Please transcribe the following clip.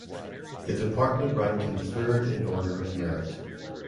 The Department ranked him third in order of merit.